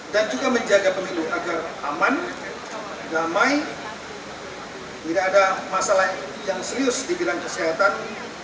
dan juga menjaga pemilu agar aman damai tidak ada masalah yang serius di bidang kesehatan